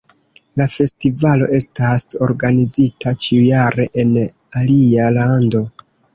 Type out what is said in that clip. La festivalo estas organizita ĉiujare en alia lando.